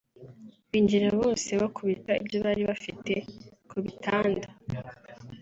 binjira bose bakubita ibyo bari bafite ku bitanda